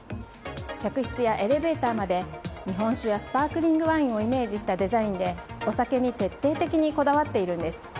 客室やエレベーターまで日本酒やスパークリングワインをイメージしたデザインでお酒に徹底的にこだわっているんです。